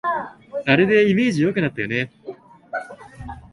あれでイメージ良くなったよね